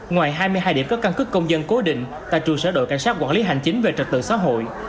ngoài hai mươi hai điểm cấp căn cước công dân cố định tại trụ sở đội cảnh sát quản lý hành chính về trật tự xã hội